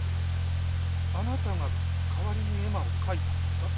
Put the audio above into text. あなたが代わりに絵馬を書いたんですか？